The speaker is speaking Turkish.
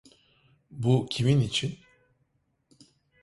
Bu kimin için?